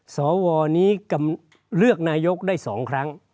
สวนี้เลือกนายกได้๒ครั้ง